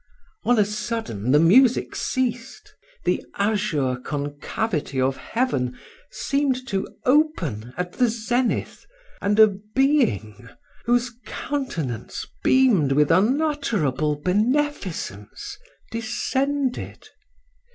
On a sudden the music ceased; the azure concavity of heaven seemed to open at the zenith, and a being, whose countenance beamed with unutterable beneficence, descended.